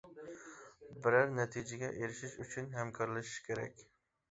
بىرەر نەتىجىگە ئېرىشىش ئۈچۈن، ھەمكارلىشىش كېرەك.